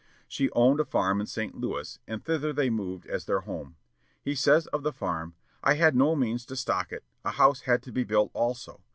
She owned a farm in St. Louis, and thither they moved as their home. He says of the farm: "I had no means to stock it. A house had to be built also.